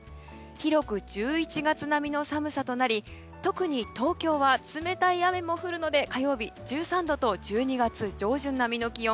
広く、１１月並みの寒さとなり特に東京は冷たい雨も降るので火曜日は１３度と１２月上旬並みの気温。